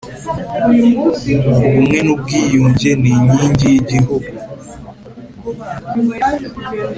ubumwe n ubwiyunge ni inkingi y’ igihugu